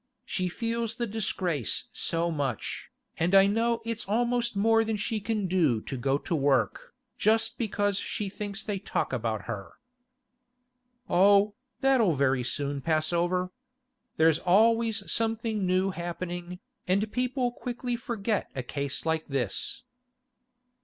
She feels the disgrace so much, and I know it's almost more than she can do to go to work, just because she thinks they talk about her.' 'Oh, that'll very soon pass over. There's always something new happening, and people quickly forget a case like this.